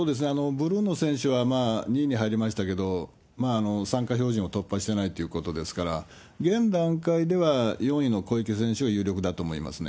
ブルーノ選手は２位に入りましたけど、参加標準を突破してないっていうことですから、現段階では４位の小池選手が有力だと思いますね。